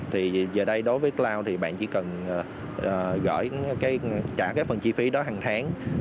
thì giờ đây đối với cloud thì bạn chỉ cần gửi trả cái phần chi phí đó hàng tháng